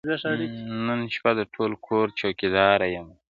نن شپه د ټول كور چوكيداره يمه,